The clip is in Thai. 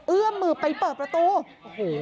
เอื้อมมือไปเปิดประตูโอ้โห